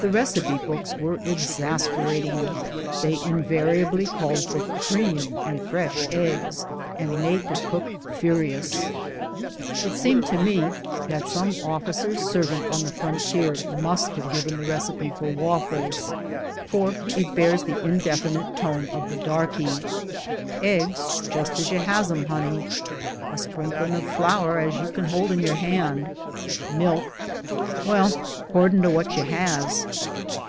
The receipt books were exasperating. They invari ably called for cream and fresh eggs, and made the cook furious. It seemed to me that some officer's ser vant on the frontier must have given the receipt for waffles, for it bears the indefinite tone of the darky: "Eggs just as you haz 'em, honey ; a sprinklin' of flour as you can hold in your hand ; milk I well, 'cordin' to what you has."